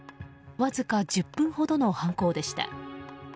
わずか１０分ほどの犯行でした。